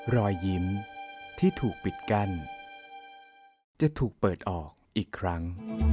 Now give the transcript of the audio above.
รอยยิ้มที่ถูกปิดกั้นจะถูกเปิดออกอีกครั้ง